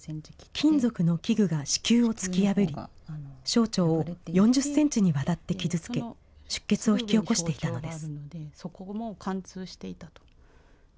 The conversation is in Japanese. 金属の器具が子宮を突き破り、小腸を４０センチにわたって傷つけ、出血を引き起こしていたのです。